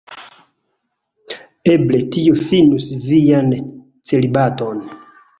Eble tio finus vian celibaton.